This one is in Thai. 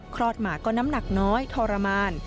อดหมาก็น้ำหนักน้อยทรมาน